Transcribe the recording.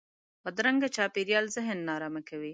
بدرنګه چاپېریال ذهن نارامه کوي